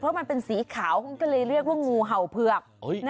เพราะมันเป็นสีขาวก็เลยเรียกว่างูเห่าเผือก